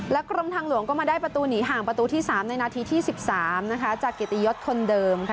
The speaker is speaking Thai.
กรมทางหลวงก็มาได้ประตูหนีห่างประตูที่๓ในนาทีที่๑๓นะคะจากเกียรติยศคนเดิมค่ะ